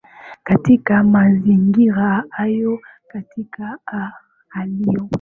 katika mazingira hayo katiba ya ailo